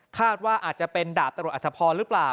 คาดว่าอาจจะเป็นดาบตำรวจอัธพรหรือเปล่า